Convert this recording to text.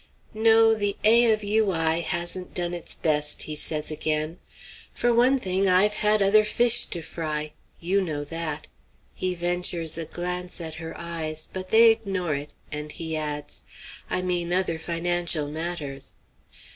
"No, the 'A. of U. I.' hasn't done its best," he says again. "For one thing, I've had other fish to fry. You know that." He ventures a glance at her eyes, but they ignore it, and he adds, "I mean other financial matters."